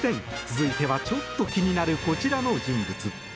続いてはちょっと気になるこちらの人物。